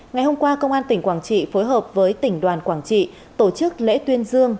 ngày hôm qua công an tỉnh quảng trị phối hợp với tỉnh đoàn quảng trị tổ chức lễ tuyên dương